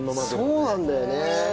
そうなんだよね。